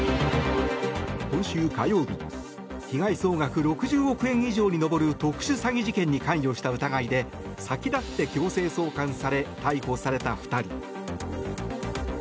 今週火曜日被害総額６０億円以上に上る特殊詐欺事件に関与した疑いで先立って強制送還され逮捕された２人。